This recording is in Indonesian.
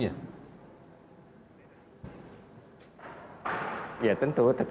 apakah itu akan menjadi suatu perbedaan atmosfer politik